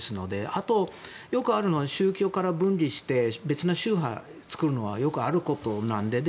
あと、よくあるのが宗教から分離して別の宗派を作るのはよくあることなので。